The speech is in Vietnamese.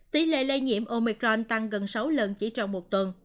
tỷ lệ lây nhiễm omicron tăng gần sáu lần chỉ trong một tuần